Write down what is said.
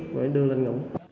rồi đưa lên ngủ